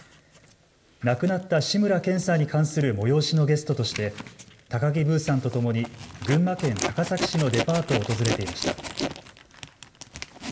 亡くなった志村けんさんに関する催しのゲストとして高木ブーさんとともに群馬県高崎市のデパートを訪れていました。